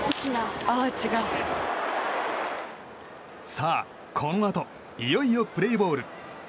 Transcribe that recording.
さあ、このあといよいよプレーボール。